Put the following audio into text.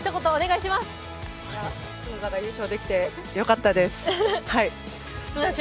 角田が優勝できてよかったです。